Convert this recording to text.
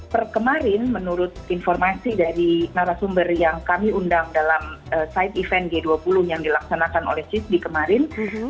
per kemarin menurut informasi dari narasumber yang kami undang dalam side event g dua puluh yang dilaksanakan oleh cisdi kemarin